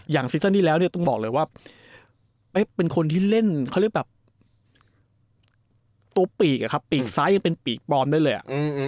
อย่างซีซ่อนที่แล้วต้องบอกเลยว่าเป๊บเป็นคนที่เล่นตัวปีกปีกซ้ายังเป็นปีกปลอมได้เลย